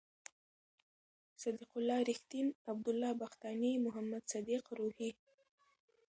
صد یق الله رېښتین، عبد الله بختاني، محمد صدیق روهي